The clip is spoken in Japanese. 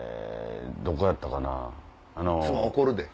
どこやったかな？